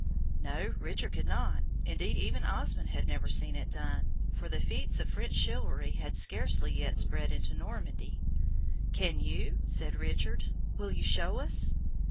No, Richard could not; indeed, even Osmond had never seen it done, for the feats of French chivalry had scarcely yet spread into Normandy. "Can you?" said Richard; "will you show us?"